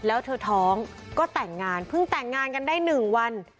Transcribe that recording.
แล้วเธอท้องก็แต่งงานเพิ่งแต่งงานกันได้๑วัน